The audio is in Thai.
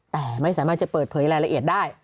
แต่ไม่สามารถจะเปิดเผยรายละเอียดได้